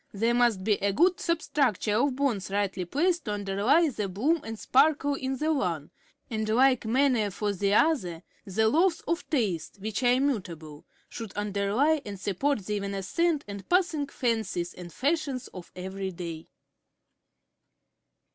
There must be a good substructure of bones rightly placed to underlie the bloom and sparkle in the one; and in like manner for the other the laws of taste, which are immutable, should underlie and support the evanescent and passing fancies and fashions of every day.